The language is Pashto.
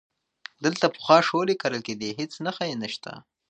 دلته پخوا شولې کرلې کېدې، هیڅ نښه یې نشته،